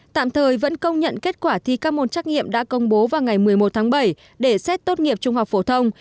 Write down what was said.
tạm thời vẫn công nhận kết quả thi các môn trắc nghiệm đã công bố vào ngày một mươi một tháng bảy để xét tốt nghiệp trung học phổ thông